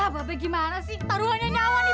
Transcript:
bapak gimana sih taruhannya nyawa nih